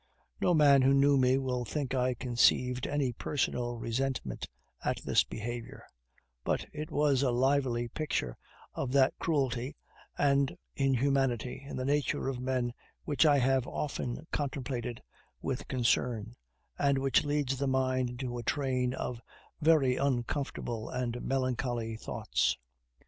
No man who knew me will think I conceived any personal resentment at this behavior; but it was a lively picture of that cruelty and inhumanity in the nature of men which I have often contemplated with concern, and which leads the mind into a train of very uncomfortable and melancholy thoughts.